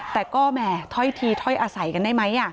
แต่ก็แหมถ้อยทีถ้อยอาศัยกันได้ไหม